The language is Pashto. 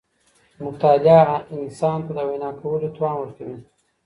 مطالعه انسان ته د وینا کولو توان ورکوي.